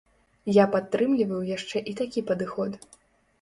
Я падтрымліваю яшчэ і такі падыход.